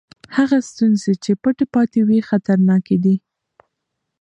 هغه ستونزې چې پټې پاتې وي خطرناکې دي.